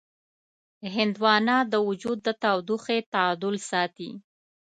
هندوانه د وجود د تودوخې تعادل ساتي.